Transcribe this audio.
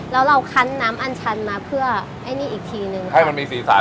แล้วเราคั้นน้ำอันชันมาเพื่อไอ้นี่อีกทีนึงให้มันมีสีสัน